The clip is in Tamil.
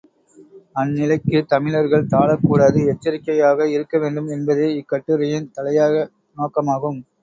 அந்நிலைக்குத் தமிழர்கள் தாழக் கூடாது எச்சரிக்கையாக இருக்க வேண்டும் என்பதே இக்கட்டுரையின் தலையாய நோக்கமாகும்.